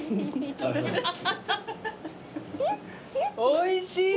おいしい。